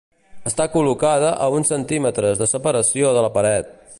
Està col·locada a uns centímetres de separació de la paret.